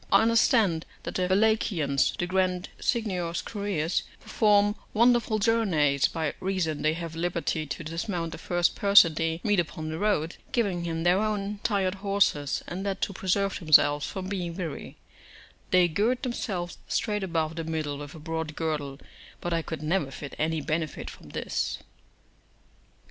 I understand that the Wallachians, the grand Signior's couriers, perform wonderful journeys, by reason they have liberty to dismount the first person they meet upon the road, giving him their own tired horses; and that to preserve themselves from being weary, they gird themselves straight about the middle with a broad girdle; but I could never find any benefit from this.